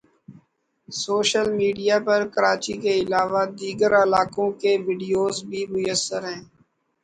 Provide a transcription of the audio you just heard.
social media پر کراچی کے علاوہ دیگر علاقوں کے وڈیوز بھی میسر ہیں